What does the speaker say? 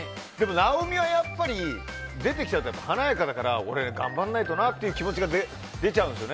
直美はやっぱり出てきた時は華やかだから俺、頑張らないとなっていう気持ちが出ちゃうんですね。